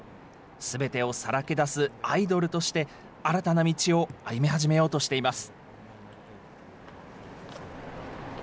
すべてをさらけ出すアイドルとして、新たな道を歩み始めようとしています。